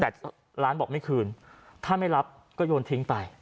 แต่ร้านบอกไม่คืนถ้าไม่รับก็โยนทิ้งไป